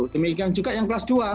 demikian juga yang kelas dua